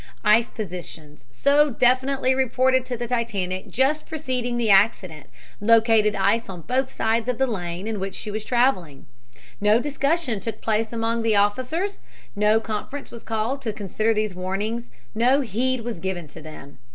Ice positions, so definitely reported to the Titanic just preceding the accident, located ice on both sides of the lane in which she was traveling. No discussion took place among the officers, no conference was called to consider these warnings, no heed was given to them.